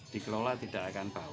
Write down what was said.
dikelola tidak akan bau